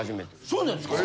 そうなんですか？